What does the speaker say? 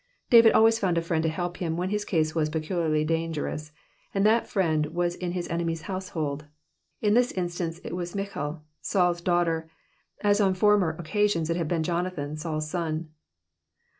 David always found a friend to help him token his case uxis pec:idiarly dangerous, and thai friend was in his enemy's kousehohi ; in this instance U was Michal, SauTs daughter, as on former occasions it had been Jonathan, SauTs son.